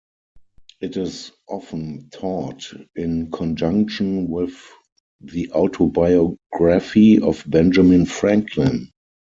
It is often taught in conjunction with "The Autobiography of Benjamin Franklin".